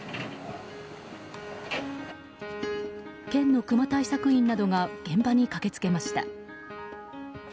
県のクマ対策員などが現場に駆けつけました。